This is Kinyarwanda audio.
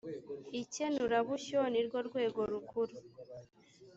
ikenurabushyo ni rwo rwego rukuru